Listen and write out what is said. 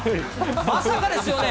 まさかですよね。